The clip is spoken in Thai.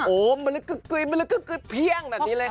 โอ้มะละกึกกึกเพี้ยงแบบนี้เลยค่ะ